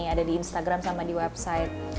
ada di instagram sama di website